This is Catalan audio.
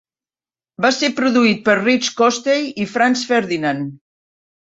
Va ser produït per Rich Costey i Franz Ferdinand.